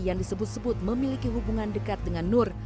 yang disebut sebut memiliki hubungan dekat dengan nur